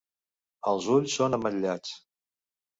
Els ulls són ametllats.